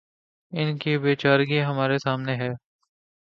ان کی بے چارگی ہمارے سامنے ہے۔